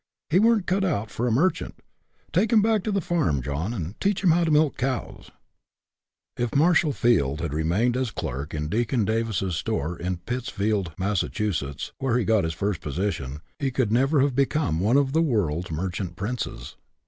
He weren't cut out for a merchant. Take him back to the farm, John, and teach him how to milk cows !" If Marshall Field had remained as clerk in Deacon Davis's store in Pittsfield, Massa chusetts, where he got his first position, he could never have become one of the world's merchant princes.